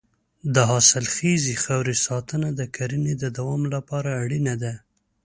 د حاصلخیزې خاورې ساتنه د کرنې د دوام لپاره اړینه ده.